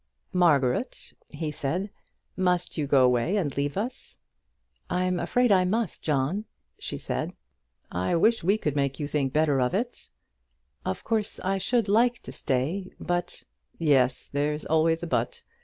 "Margaret," he said, "must you go away and leave us?" "I'm afraid I must, John," she said. "I wish we could make you think better of it." "Of course I should like to stay, but " "Yes, there's always a but.